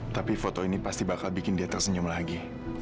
tapi foto ini pasti bakal bikin dia tersenyum lagi